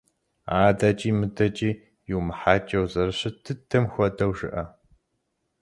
АдэкӀи мыдэкӀи йумыхьэкӀыу, зэрыщыт дыдэм хуэдэу жыӏэ.